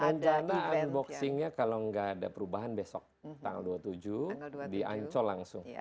rencana unboxingnya kalau nggak ada perubahan besok tanggal dua puluh tujuh di ancol langsung